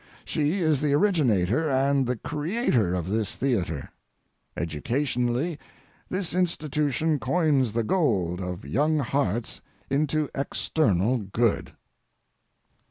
She is the originator and the creator of this theatre. Educationally, this institution coins the gold of young hearts into external good.